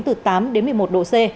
từ tám một mươi một độ c